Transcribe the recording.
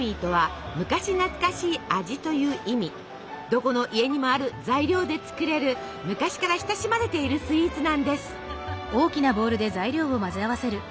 どこの家にもある材料で作れる昔から親しまれているスイーツなんです。